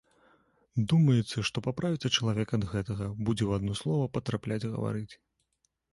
Думаецца, што паправіцца чалавек ад гэтага, будзе ў адно слова патрапляць гаварыць.